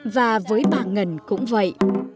và với bà ngân cũng vậy